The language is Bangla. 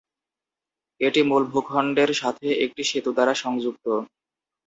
এটি মূল ভূখন্ডের সাথে একটি সেতু দ্বারা সংযুক্ত।